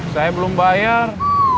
saya belum bayar